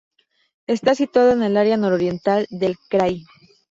Está situado en el área nororiental del krai.